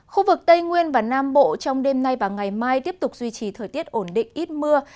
khu vực tây nguyên và nam bộ trong đêm nay và ngày mai tiếp tục duy trì thời tiết ổn định ít mưa